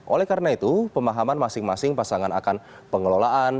oleh karena itu pemahaman masing masing pasangan akan pengelolaan